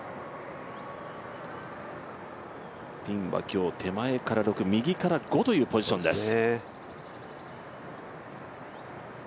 ピンは今日、手前から６右から５というポジションです。